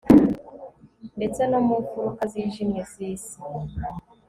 ndetse no mu mpfuruka zijimye zisi